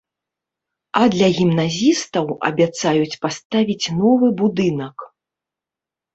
А для гімназістаў абяцаюць паставіць новы будынак.